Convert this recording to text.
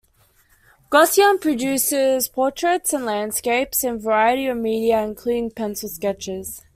Gaussen produces portraits and landscapes in a variety of media including pencil sketches.